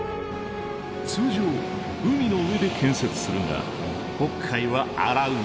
通常海の上で建設するが北海は荒海。